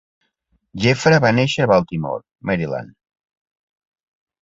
Jeffra va néixer a Baltimore, Maryland.